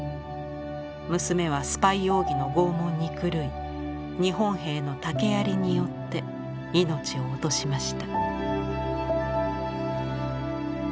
娘はスパイ容疑のごうもんに狂い日本兵の竹槍によって命を落としました」。